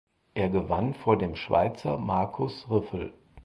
Er gewann vor dem Schweizer Markus Ryffel.